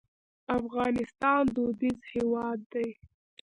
افغانستان دودیز هېواد دی.